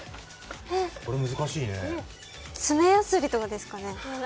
爪ヤスリとかですかね？